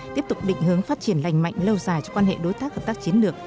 tiếp tục định hướng phát triển lành mạnh lâu dài cho quan hệ đối tác hợp tác chiến lược